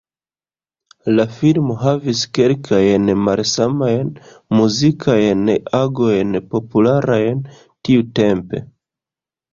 La filmo havis kelkajn malsamajn muzikajn agojn popularajn tiutempe.